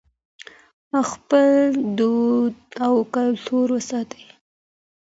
خپل دود او کلتور وساتئ.